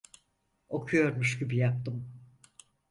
Okuyormuş gibi yaptım.